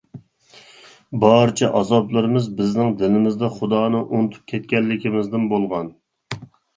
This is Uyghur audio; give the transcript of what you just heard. بارچە ئازابلىرىمىز بىزنىڭ دىلىمىزدا خۇدانى ئۇنتۇپ كەتكەنلىكىمىزدىن بولغان.